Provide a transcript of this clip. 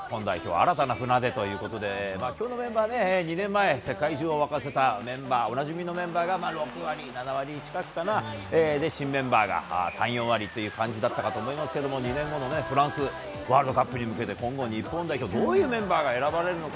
新たな船出ということで今日のメンバーは２年前世界中を沸かせたおなじみのメンバーが６割、７割近くで新メンバーが３４割という感じかと思いますが２年後のフランスワールドカップに向けて今後、日本代表どういうメンバーが選ばれるのか。